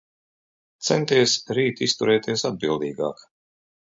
Centies rīt izturēties atbildīgāk.